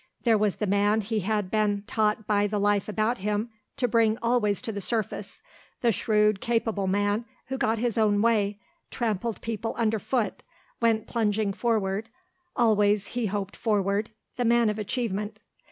There was the man he had been taught by the life about him to bring always to the surface, the shrewd, capable man who got his own way, trampled people underfoot, went plunging forward, always he hoped forward, the man of achievement.